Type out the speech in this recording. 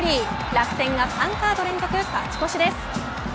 楽天が３カード連続勝ち越しです。